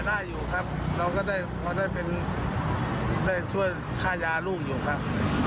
ได้ช่วยฆ่ายารูกอยู่ครับ